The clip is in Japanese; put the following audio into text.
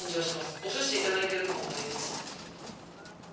お寿司いただいてる感はあります。